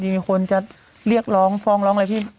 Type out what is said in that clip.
มีคนจะเรียกร้องฟ้องร้องอะไรพี่